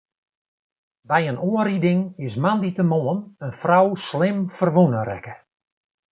By in oanriding is moandeitemoarn in frou slim ferwûne rekke.